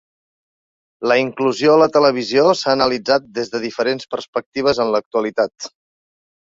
La inclusió a la televisió s'ha analitzat des de diferents perspectives en l'actualitat.